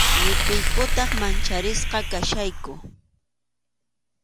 Llipiykutaq mancharisqa kachkayku.